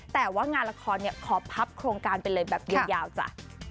แต่ว่างานละครขอพับโครงการไปเลยแบบยาวจ้ะ